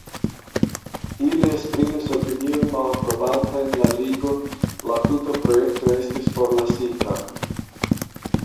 Ili esprimis opiniojn malaprobantajn la Ligon, la tuta projekto estis forlasita.